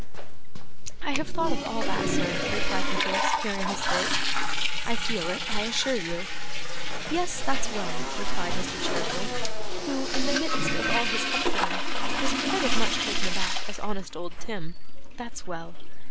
'I have thought of all that, sir,' replied Nicholas, clearing his throat. 'I feel it, I assure you.' 'Yes, that's well,' replied Mr. Cheeryble, who, in the midst of all his comforting, was quite as much taken aback as honest old Tim; 'that's well.